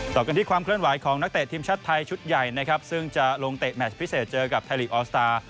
ต่อกันที่ความเคลื่อนไหวของนักเตะทีมชาติไทยชุดใหญ่นะครับซึ่งจะลงเตะแมชพิเศษเจอกับไทยลีกออสตาร์